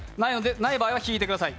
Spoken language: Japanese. ない場合は引いてください。